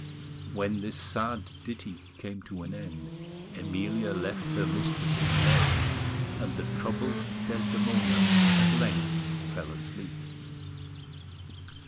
When this sad ditty came to an end, Emilia left her mistress in bed; and the troubled Desdemona at length fell asleep.